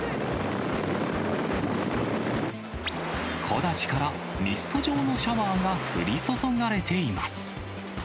木立からミスト状のシャワーが降り注がれています。